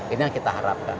ini yang kita harapkan